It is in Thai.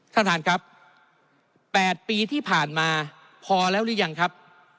ท่านท่านครับ๘ปีที่ผ่านมาพอแล้วหรือยังครับ